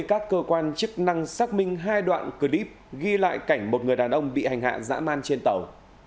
các cơ quan chức năng xác minh hai đoạn clip ghi lại cảnh một người đàn ông bị hành hạ dã man trên tàu